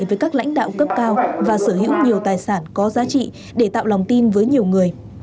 với các lãnh đạo cấp cao và sở hữu nhiều tài sản có giá trị để tạo lòng tin với nhiều người